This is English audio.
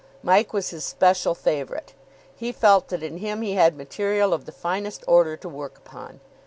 Mike was his special favourite. He felt that in him he had material of the finest order to work upon.